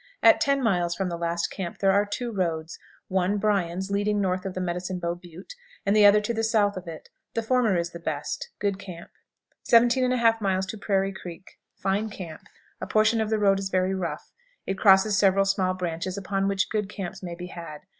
At ten miles from the last camp there are two roads one, Bryan's, leading north of the Medicine Bow Butte, and the other to the south of it. The former is the best. Good camp. 17 1/2. Prairie Creek. Fine camp. A portion of the road is very rough. It crosses several small branches upon which good camps may be had.